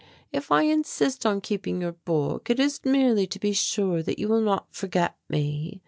If I insist on keeping your book it is merely to be sure that you will not forget me.